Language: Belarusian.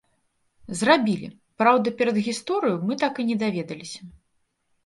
Зрабілі, праўда, перадгісторыю мы так і не даведаліся.